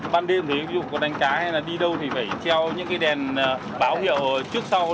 ban đêm thì dù có đánh cá hay là đi đâu thì phải treo những cái đèn báo hiệu trước sau